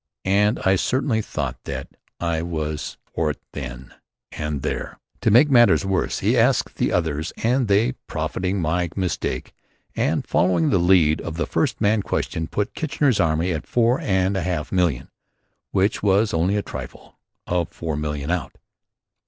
And I certainly thought that I was "for it" then and there. To make matters worse he asked the others and they, profiting by my mistake and following the lead of the first man questioned, put Kitchener's army at four and a half million; which was only a trifle of four million out.